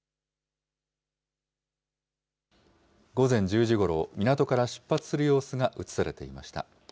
午前１０時ごろ、港から出発する様子が写されていました。